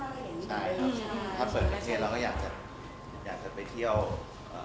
ใช่ครับถ้าเปิดประเทศเราก็อยากจะไปเที่ยวอีกครับ